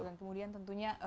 dan kemudian tentunya